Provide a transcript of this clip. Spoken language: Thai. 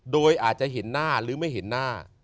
โดยอาจจะเห็นหน้าหรือไม่เห็นหน้า